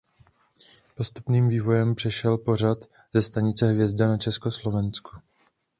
Postupným vývojem přešel pořad ze stanice Hvězda na Československo.